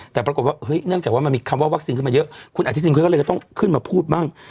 แต่ปรากฏว่าเฮ้ยเนื่องจากว่ามันมีคำว่าวัคซีนขึ้นมาเยอะคุณอนุทินเขาก็เลยจะต้องขึ้นมาพูดบ้าง